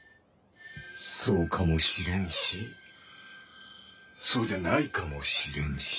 そうかもしれんしそうじゃないかもしれんし